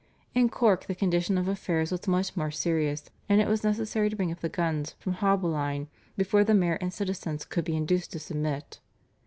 In Cork the condition of affairs was much more serious, and it was necessary to bring up the guns from Haulbowline before the mayor and citizens could be induced to submit.